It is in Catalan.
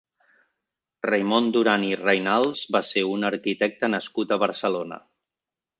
Raimon Duran i Reynals va ser un arquitecte nascut a Barcelona.